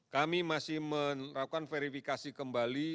kami masih melakukan verifikasi kembali